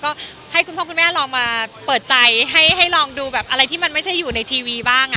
ก็ให้คุณพ่อคุณแม่ลองมาเปิดใจให้ลองดูแบบอะไรที่มันไม่ใช่อยู่ในทีวีบ้าง